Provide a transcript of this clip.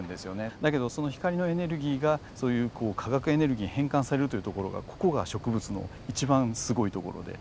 だけどその光のエネルギーがそういう化学エネルギーに変換されるというところがここが植物の一番すごいところで。